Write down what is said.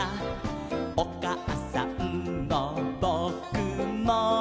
「おかあさんもぼくも」